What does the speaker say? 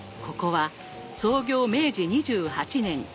ここは創業明治２８年。